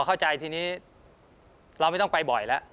เข้าใจทีนี้เราไม่ต้องไปบ่อยแล้ว